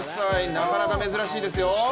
なかなか珍しいですよ。